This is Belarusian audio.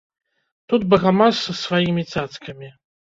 Тут багамаз з сваімі цацкамі.